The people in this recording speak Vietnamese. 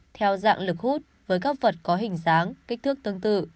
theo dạng lực hút với các vật có hình dáng kích thước tương tự